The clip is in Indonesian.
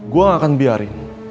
gua ga akan biarin